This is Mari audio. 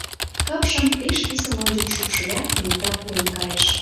Капшым пеш писын ончык шупшылят, кенета пурен кайыш.